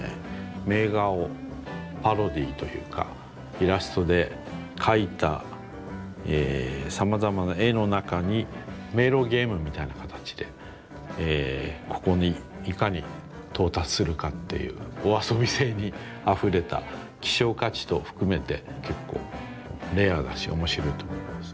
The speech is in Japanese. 名画をパロディーというかイラストで描いたさまざまな絵の中に迷路ゲームみたいな形でここにいかに到達するかっていうお遊び性にあふれた希少価値等含めて結構レアだし面白いと思います。